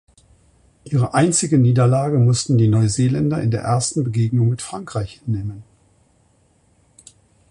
Ihre einzige Niederlage mussten die Neuseeländer in der ersten Begegnung mit Frankreich hinnehmen.